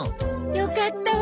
よかったわ